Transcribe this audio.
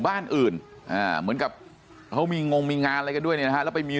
บ้านอื่นอ่าเหมือนกับเขามีงงมีงานอะไรกันด้วยเนี่ยนะฮะแล้วไปมี